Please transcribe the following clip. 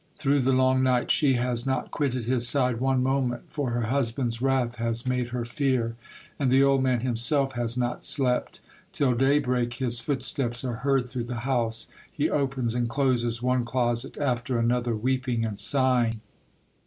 Through the long night, she has not quitted his side one moment, for her hus band's wrath has made her fear. And the old man himself has not slept. Till daybreak his foot steps are heard through the house ; he opens and closes one closet after another, weeping and sigh ing.